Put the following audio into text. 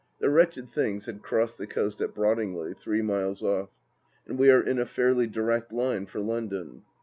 The wretched things had crossed the coast at Brottingley, three miles off, and we are in a fairly direct line for London.